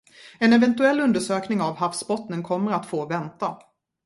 En eventuell undersökning av havsbottnen kommer att få vänta.